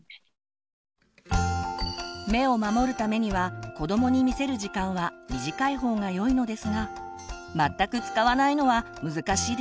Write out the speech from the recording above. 目を守るためには子どもに見せる時間は短い方がよいのですが全く使わないのは難しいですよね。